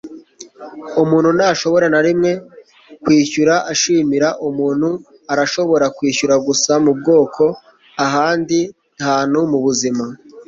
umuntu ntashobora na rimwe kwishyura ashimira; umuntu arashobora kwishyura gusa 'mubwoko' ahandi hantu mubuzima